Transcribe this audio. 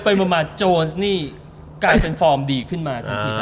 ไปบ้างโจนนี่กลายเป็นฟอร์มดีขึ้นมา